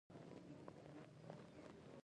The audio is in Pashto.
ایا زه باید مساله وخورم؟